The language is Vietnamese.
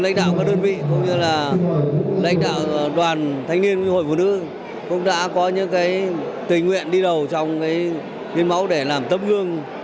lãnh đạo các đơn vị lãnh đạo đoàn thanh niên hội phụ nữ cũng đã có những tình nguyện đi đầu trong hiến máu để làm tấm gương